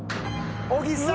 小木さん。